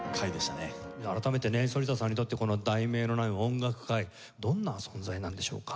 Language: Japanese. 改めてね反田さんにとってこの『題名のない音楽会』どんな存在なんでしょうか？